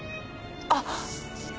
あっ！